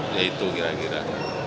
ya itu kira kira